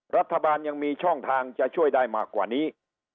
รัฐบาลยังมีช่องทางจะช่วยได้มากกว่านี้